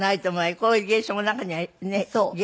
こういう芸者も中にはねえ。